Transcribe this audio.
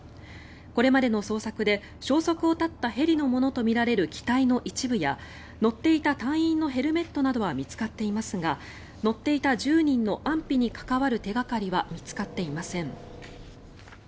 これまでの捜索で消息を絶ったヘリのものとみられる機体の一部や乗っていた隊員のヘルメットなどは見つかっていますが乗っていた１０人の安否に関わる手掛かりは見つかっていません。